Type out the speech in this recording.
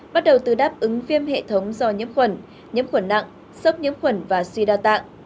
bắt đầu từ đáp ứng viêm hệ thống do nhiễm khuẩn nhiễm khuẩn nặng sốc nhiễm khuẩn và suy đa tạng